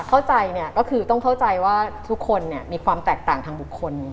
คาวใจคือต้องเข้าใจว่าทุกคนนี้มีความแตกต่างทางบุคคล